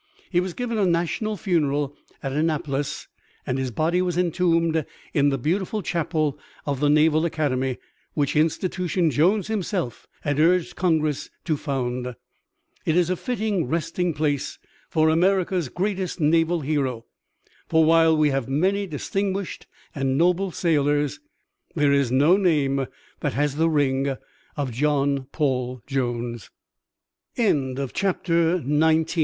He was given a national funeral at Annapolis and his body was entombed in the beautiful Chapel of the Naval Academy, which institution Jones himself had urged Congress to found. It is a fitting resting place for America's greatest naval hero, for while we have many distinguished and noble sailors, there is no name that has the